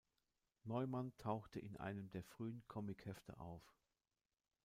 Neuman tauchte in einem der frühen Comichefte auf.